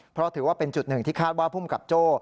เพราะถือว่าเป็นจุดหนึ่งที่คาดว่าภูมิกับโจ้